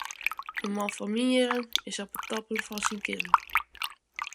In man fan myn jierren is op it toppunt fan syn kinnen.